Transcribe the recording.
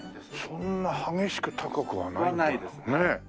そんな激しく高くはないんだな。